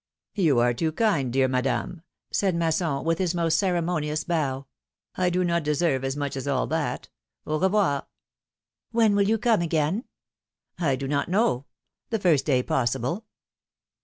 You are too kind, dear Madame," said Masson, with his most ceremonious bow ; I do not deserve as much as a 1 1 th at. Au revoir !" When will you come again ?" I do not know. The first day possible."